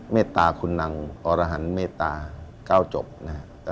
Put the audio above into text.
เมตตาคุณนางอรหันเมตตา๙จบนะครับ